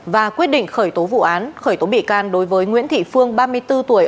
và quyết định khởi tố vụ án khởi tố bị can đối với nguyễn thị phương ba mươi bốn tuổi